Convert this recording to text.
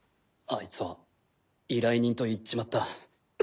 アイツは依頼人と行っちまった。